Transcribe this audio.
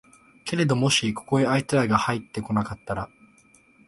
けれどももしここへあいつらがはいって来なかったら、